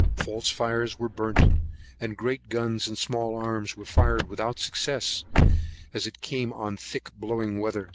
False fires were burnt, and great guns and small arms were fired without success, as it came on thick blowing weather.